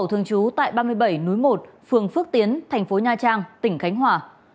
thương chú tại ba mươi bảy núi một phường phước tiến thành phố nha trang tỉnh khánh hòa